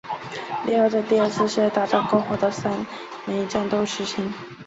利号在第二次世界大战共获得三枚战斗之星。